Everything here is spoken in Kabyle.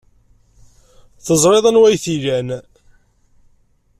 Teẓriḍ anwa ay t-ilan.